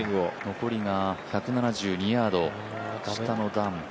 残りが１７２ヤード、下の段。